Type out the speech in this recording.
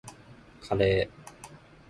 カレー